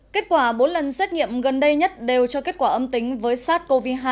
kết quả bốn lần xét nghiệm gần đây nhất đều cho kết quả âm tính với sars cov hai